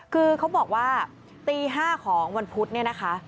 คือเขาบอกว่าตี๕ของวันพุธเนี่ยนะคะ